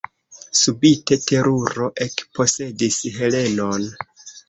Subite teruro ekposedis Helenon.